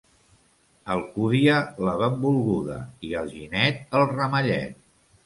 Alcúdia, la benvolguda, i Alginet, el ramellet.